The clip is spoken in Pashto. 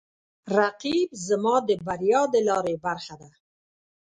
رقیب زما د بریا د لارې برخه ده